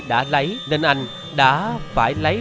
đã lấy nên anh đã phải lấy